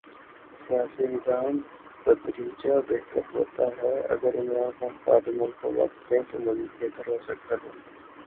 سیاسی نظام تدریجا بہتر ہوتا ہے اگر عمران خان پارلیمنٹ کو وقت دیں تو مزید بہتر ہو سکتا ہے۔